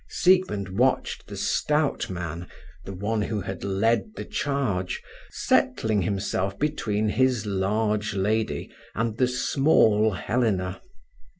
Siegmund watched the stout man, the one who had led the charge, settling himself between his large lady and the small Helena.